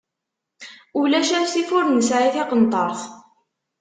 Ulac asif, ur nesɛi tiqenṭeṛt.